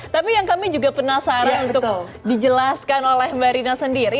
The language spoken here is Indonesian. tapi yang kami juga penasaran untuk dijelaskan oleh mbak rina sendiri